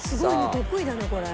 得意だねこれ。